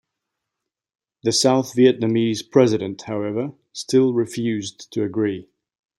The South Vietnamese president, however, still refused to agree.